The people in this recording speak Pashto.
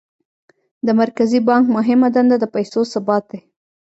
د مرکزي بانک مهمه دنده د پیسو ثبات دی.